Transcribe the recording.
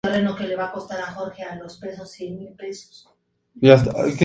En su faceta de compositor, compuso música religiosa y coral.